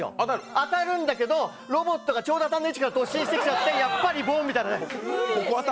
当たるんだけど、ロボットがちょうど当たらない位置から突進してきちゃってやっぱりボンみたいなね。